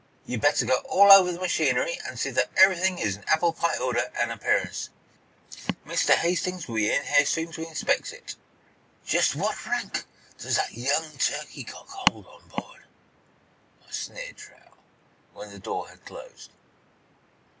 You'd better go all over the machinery and see that everything is in applepie order and appearance. Mr. Hastings will be in here soon to inspect it." "Just what rank does that young turkey cock hold on board?" sneered Truax, when the door had closed.